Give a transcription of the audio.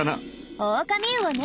オオカミウオね。